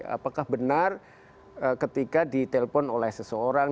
apakah benar ketika di telpon oleh seseorang